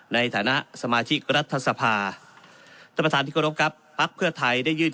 ในฐานะสมาชิกรัฐสภาท่านประธานที่เคารพครับภักดิ์เพื่อไทยได้ยื่น